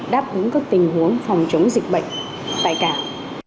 đáp ứng các tình huống phòng chống dịch bệnh tại cảng